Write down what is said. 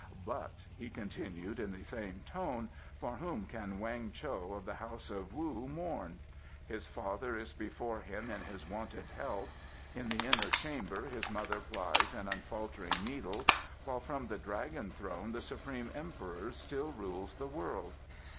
"But," he continued, in the same tone, "for whom can Weng Cho of the House of Wu mourn? His father is before him in his wonted health; in the inner chamber his mother plies an unfaltering needle; while from the Dragon Throne the supreme Emperor still rules the world.